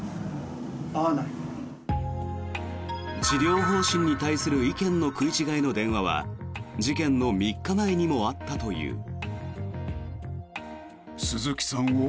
治療方針に対する意見の食い違いの電話は事件の３日前にもあったという。